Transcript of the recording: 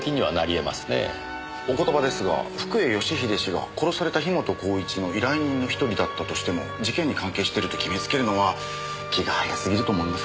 お言葉ですが福栄義英氏が殺された樋本晃一の依頼人の１人だったとしても事件に関係してると決めつけるのは気が早すぎると思いますけど。